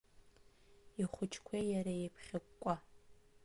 Ихәыҷқәеи иареи еиԥхьыҟәҟәа…